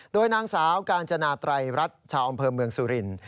โดยนางสาวกาญจนาไตรรัฐชาวอำเภอเมืองสุรินทร์